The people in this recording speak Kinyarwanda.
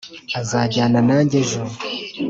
azajyana nanjye ejo.